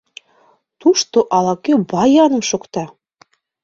Тушто ала-кӧ баяным шокта.